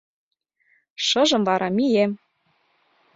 Шыжым вара мием.